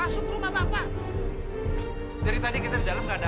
sial sial ke arah igual